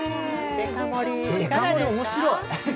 デカ盛り、面白い。